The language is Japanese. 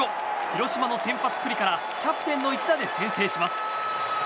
広島の先発、九里からキャプテンの一打で先制します。